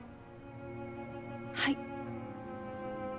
はい。